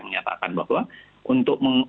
menyatakan bahwa untuk